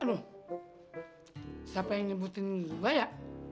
aduh siapa yang nyebutin gua ya